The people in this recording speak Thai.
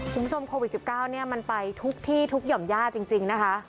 คุณผู้ชมโควิด๑๙เนี่ยมันไปทุกที่ทุกหย่อมญาจริงนะคะ